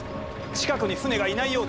近くに船がいないようで。